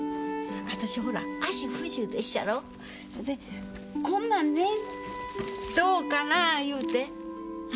私ほら足不自由でっしゃろ？でこんなんねどうかなぁ言うてアハハ。